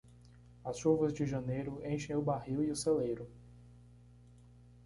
As chuvas de janeiro enchem o barril e o celeiro.